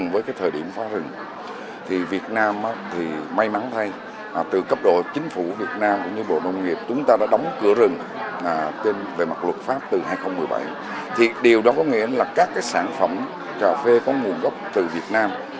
vì vậy điều đó có nghĩa là các sản phẩm cà phê có nguồn gốc từ việt nam